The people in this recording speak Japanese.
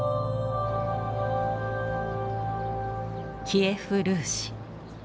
キエフ・ルーシ。